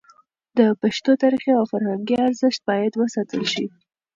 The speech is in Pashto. د پښتو تاریخي او فرهنګي ارزښت باید وساتل شي.